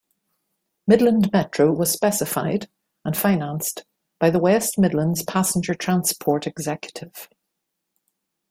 Midland Metro was specified and financed by the West Midlands Passenger Transport Executive.